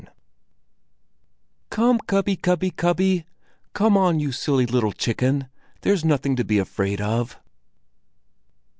XII "Come, cubby, cubby, cubby! Come on, you silly little chicken, there's nothing to be afraid of!"